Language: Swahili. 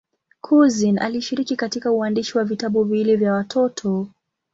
Couzyn alishiriki katika uandishi wa vitabu viwili vya watoto.